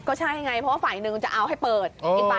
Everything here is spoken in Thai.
ก็ใช่ไงเพราะว่าฝ่ายหนึ่งจะเอาให้เปิดกินไป